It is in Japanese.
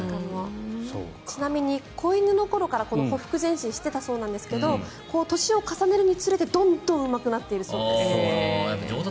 ちなみに子犬の頃からほふく前進していたそうなんですが年を重ねるにつれて、どんどんうまくなっているそうです。